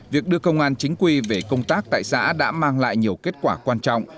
việc đưa công an chính quy về công tác tại xã đã mang lại nhiều kết quả quan trọng